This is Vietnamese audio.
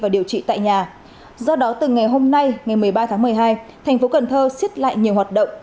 do đó từ ngày hôm nay ngày một mươi ba tháng một mươi hai thành phố cần thơ xiết lại nhiều hoạt động